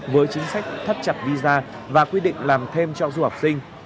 với chính sách thắt chặt visa và quy định làm thêm cho du học sinh